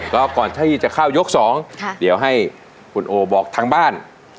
ก็ก่อนที่จะเข้ายกสองเดี๋ยวให้คุณโอบอกทางบ้าน